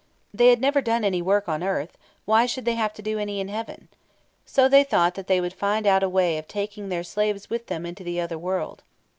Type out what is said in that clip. They had never done any work on earth; why should they have to do any in heaven? So they thought that they would find out a way of taking their slaves with them into the other world.